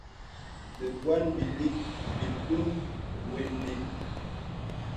Bebuan bìlìk bìpun wə̀ nà.